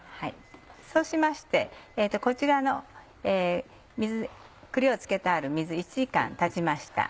そうしましてこちらの栗を漬けてある水１時間たちました。